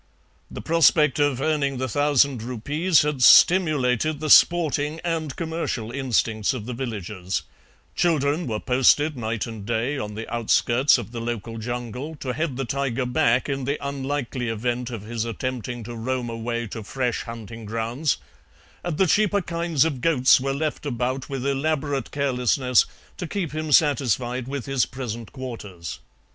The prospect of earning the thousand rupees had stimulated the sporting and commercial instinct of the villagers; children were posted night and day on the outskirts of the local jungle to head the tiger back in the unlikely event of his attempting to roam away to fresh hunting grounds, and the cheaper kinds of goats were left about with elaborate carelessness to keep him satisfied with his present quarters.